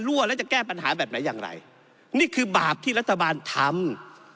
รั่วแล้วจะแก้ปัญหาแบบไหนอย่างไรนี่คือบาปที่รัฐบาลทำ